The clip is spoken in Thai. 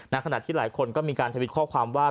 ขณะที่หลายคนก็มีการทวิตข้อความว่า